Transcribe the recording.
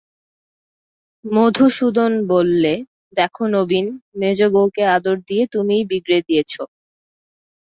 মধুসূদন বললে, দেখো নবীন, মেজোবউকে আদর দিয়ে তুমিই বিগড়ে দিয়েছ।